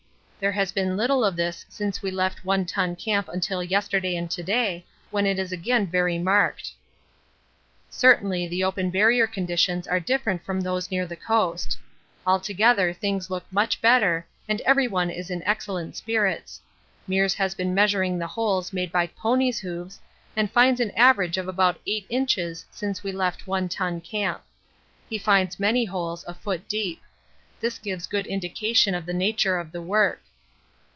There has been little of this since we left One Ton Camp until yesterday and to day, when it is again very marked. Certainly the open Barrier conditions are different from those near the coast. Altogether things look much better and everyone is in excellent spirits. Meares has been measuring the holes made by ponies' hooves and finds an average of about 8 inches since we left One Ton Camp. He finds many holes a foot deep. This gives a good indication of the nature of the work.